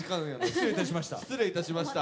失礼いたしました！